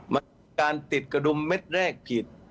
มันการติดกระดุมเม็ดแรกผิด